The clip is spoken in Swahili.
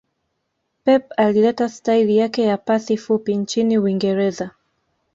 Pep alileta staili yake ya pasi fupi nchini uingereza